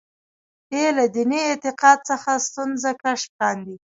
بې له دیني اعتقاد څخه سنتونه کشف کاندي.